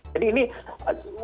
jadi ini untuk meluruskan